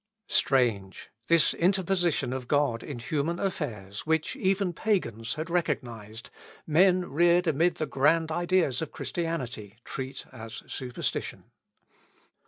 Strange! this interposition of God in human affairs, which even Pagans had recognised, men reared amid the grand ideas of Christianity treat as superstition.